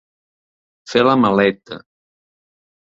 Fer la maleta.